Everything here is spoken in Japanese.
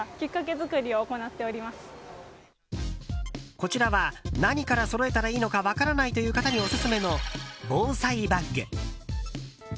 こちらは何からそろえたらいいのか分からないという方にオススメの防災バッグ。